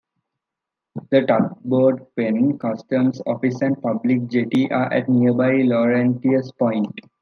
The tugboat pen, customs office and public jetty are at nearby Laurentius Point.